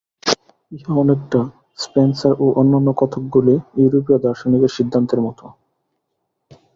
ইহা অনেকটা স্পেন্সার ও অন্যান্য কতকগুলি ইউরোপীয় দার্শনিকের সিদ্ধান্তের মত।